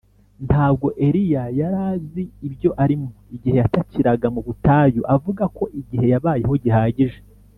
ntabwo eliya yari azi ibyo arimo igihe yatakiraga mu butayu avuga ko igihe yabayeho gihagije,